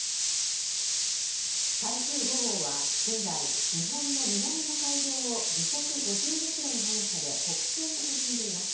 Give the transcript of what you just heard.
台風５号は現在、日本の南の海上を時速５５キロの速さで北西に進んでいます。